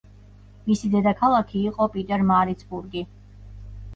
მისი დედაქალაქი იყო პიტერმარიცბურგი.